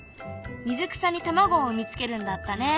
水草に卵を産み付けるんだったね。